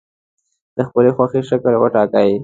د خپلې خوښې شکل وټاکئ.